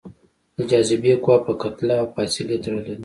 د جاذبې قوه په کتله او فاصلې تړلې ده.